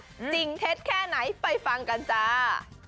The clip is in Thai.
จริงเท็จแค่ไหนไปฟังกันจ้า